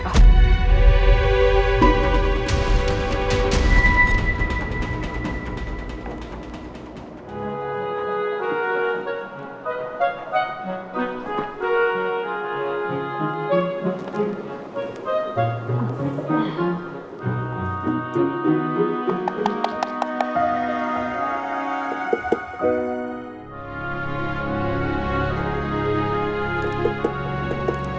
aku mau ke kamar